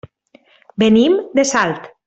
Venim de Salt.